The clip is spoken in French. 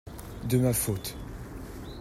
De ma faute.